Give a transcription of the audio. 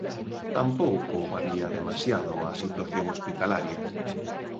Tampouco varía demasiado a situación hospitalaria.